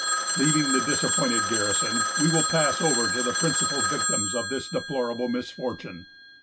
Leaving the disappointed garrison, we will pass over to the principal victims of this deplorable misfortune.